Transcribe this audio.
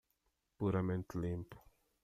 Puramente limpo